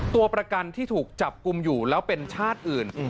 ตัวประกันที่ถูกจับกลุ่มอยู่แล้วเป็นชาติอื่น